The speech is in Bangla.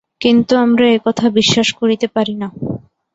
কিন্তু আমরা এ-কথা বিশ্বাস করিতে পারি না।